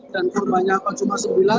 dan korbannya apa cuma sembilan